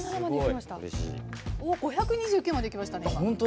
５２９までいきましたね。